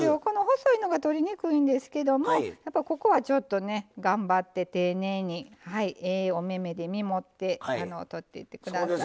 細いのが取りにくいんですけどもここは、ちょっと頑張って、丁寧にええお目々で見もってとってください。